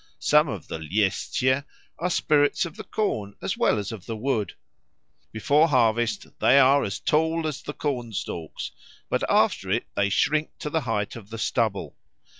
Some of the Ljeschie are spirits of the corn as well as of the wood; before harvest they are as tall as the corn stalks, but after it they shrink to the height of the stubble.